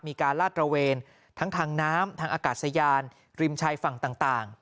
ลาดตระเวนทั้งทางน้ำทางอากาศยานริมชายฝั่งต่าง